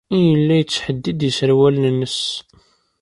Yella yettḥeddid iserwalen-nnes.